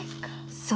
そう。